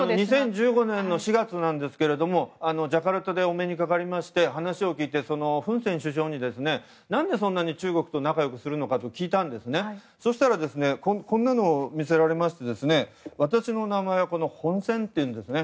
２０１５年の４月なんですけどジャカルタでお目にかかりまして話を聞いて、フン・セン首相に何でそんなに中国と仲良くするか聞きましたらこんなのを見せられまして私の名前はホン・センだというんですね。